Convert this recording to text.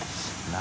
何？